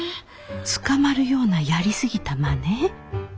捕まるようなやり過ぎたまね？